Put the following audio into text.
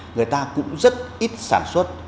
người ta cũng rất ít sản xuất